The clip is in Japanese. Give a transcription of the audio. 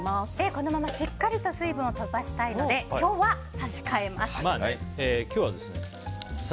このまましっかりと水分を飛ばしたいので今日は差し替えます。